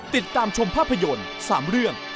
ติดตามชมภาพยนตร์๓เรื่อง๓รถ๓เวลา